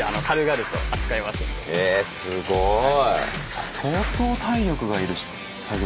へえすごい。